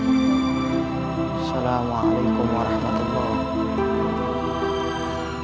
assalamualaikum warahmatullahi wabarakatuh